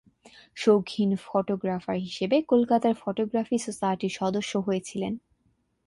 শৌখিন ফটোগ্রাফার হিসেবে কলকাতার ফটোগ্রাফি সোসাইটির সদস্য হয়েছিলেন।